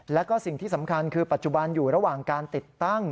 แล้วก็สิ่งที่สำคัญคือปัจจุบันอยู่ระหว่างการติดตั้ง